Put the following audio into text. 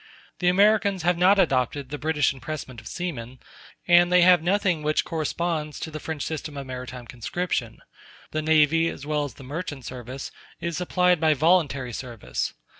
The Americans have not adopted the British impressment of seamen, and they have nothing which corresponds to the French system of maritime conscription; the navy, as well as the merchant service, is supplied by voluntary service.